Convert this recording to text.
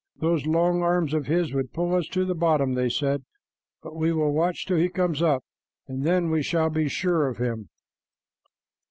"Those long arms of his would pull us to the bottom," they said; "but we will watch till he comes up, and then we shall be sure of him."